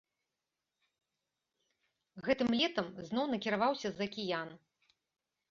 Гэтым летам зноў накіраваўся за акіян.